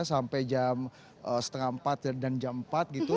sampai jam setengah empat dan jam empat gitu